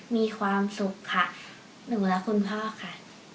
มีความสุขค่ะหนูและคุณพ่อค่ะ